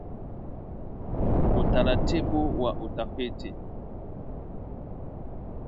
Utaratibu wa Utafiti